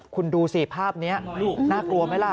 คุณดูสิภาพนี้น่ากลัวไหมล่ะ